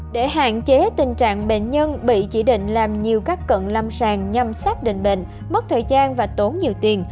để hạn chế tình trạng bệnh nhân bị chỉ định làm nhiều các cận lâm sàng nhằm xác định bệnh mất thời gian và tốn nhiều tiền